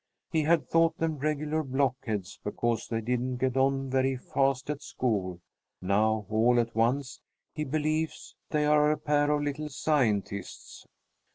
He had thought them regular blockheads because they didn't get on very fast at school. Now, all at once, he believes they are a pair of little scientists.